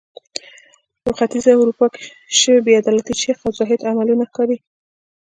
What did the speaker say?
په ختیځه اروپا کې شوې بې عدالتۍ شیخ او زاهد عملونه ښکاري.